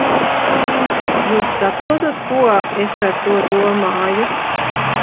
Jūs saprotat, ko es ar to domāju?